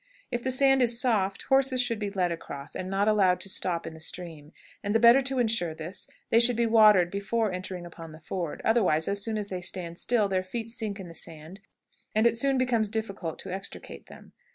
If the sand is soft, horses should be led across, and not allowed to stop in the stream; and the better to insure this, they should be watered before entering upon the ford; otherwise, as soon as they stand still, their feet sink in the sand, and soon it becomes difficult to extricate them.